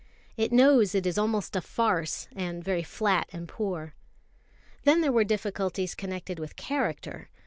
It knows it is almost a farce, and very flat and poor. Then there were difficulties connected with character.